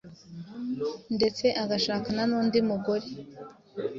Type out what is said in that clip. ndetse agashakana n'undi mugore